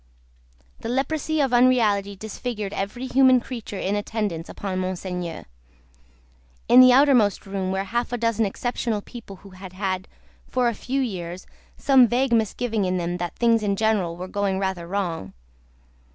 The leprosy of unreality disfigured every human creature in attendance upon Monseigneur. In the outermost room were half a dozen exceptional people who had had, for a few years, some vague misgiving in them that things in general were going rather wrong.